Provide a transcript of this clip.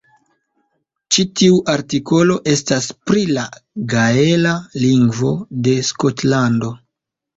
Ĉi tiu artikolo estas pri la gaela lingvo de Skotlando.